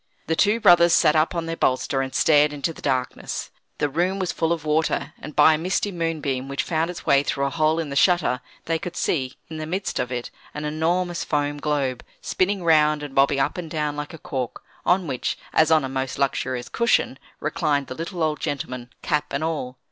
The two brothers sat up on their bolster, and stared into the darkness. The room was full of water, and by a misty moonbeam, which found its way through a hole in the shutter, they could see, in the midst of it, an enormous foam globe, spinning round, and bobbing up and down like a cork, on which, as on a most luxurious cushion, reclined the little old gentleman, cap and all.